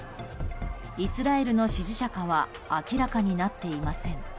イスラエルの支持者かは明らかになっていません。